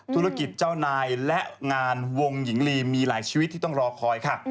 ธุรกิจเจ้านายและงานวงหญิงลีมีหลายชีวิตที่ต้องรอคอยค่ะ